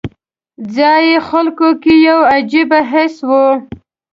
ځایي خلکو کې یو عجیبه حس و.